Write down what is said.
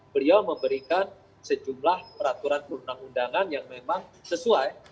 beliau memberikan sejumlah peraturan perundang undangan yang memang sesuai